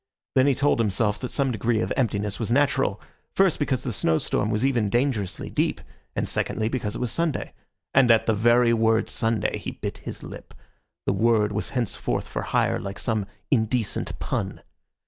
Then he told himself that some degree of emptiness was natural; first because the snow storm was even dangerously deep, and secondly because it was Sunday. And at the very word Sunday he bit his lip; the word was henceforth for hire like some indecent pun.